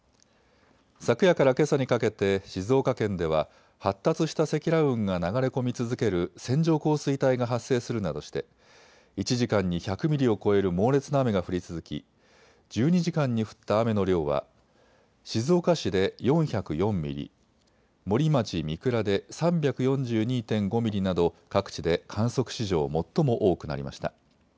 昨夜からけさにかけて静岡県では発達した積乱雲が流れ込み続ける線状降水帯が発生するなどして１時間に１００ミリを超える猛烈な雨が降り続き１２時間に降った雨の量は静岡市で４０４ミリ、森町三倉で３４２．５ミリなど各地で観測史上、最も多くなりました。